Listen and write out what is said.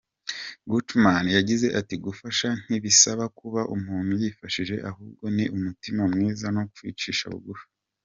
Gutterman yagize ati “Gufasha ntibisaba kuba umuntu yifashije ahubwo niumutima mwiza no kwicisha bugufi.